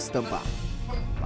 masih merupakan penduduk setempat